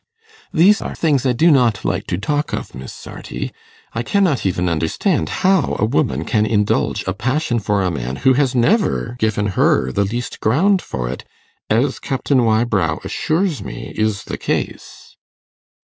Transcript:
'These are things I do not like to talk of, Miss Sarti. I cannot even understand how a woman can indulge a passion for a man who has never given her the least ground for it, as Captain Wybrow assures me is the case.